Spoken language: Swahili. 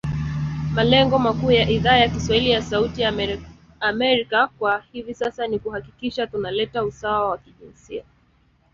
Malengo makuu ya Idhaa ya kiswahili ya Sauti ya Amerika kwa hivi sasa ni kuhakikisha tuna leta usawa wa jinsia